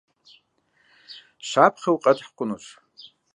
Щапхъэу къэтхь хъунущ.